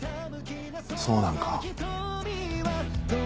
そうなんか。